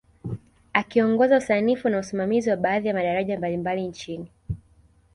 Akiongoza usanifu na usimamizi wa baadhi ya madaraja mbalimbali nchini